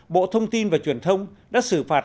bộ thông tin và truyền thông đã xử phạt